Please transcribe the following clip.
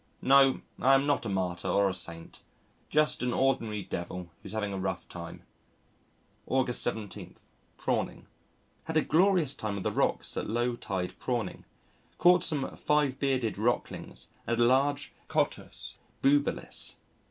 No, I am not a martyr or a saint. Just an ordinary devil who's having a rough time. August 17. Prawning Had a glorious time on the rocks at low tide prawning. Caught some Five Bearded Rocklings and a large Cottus bubalis.